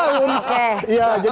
jadi itu yang harus diperhatikan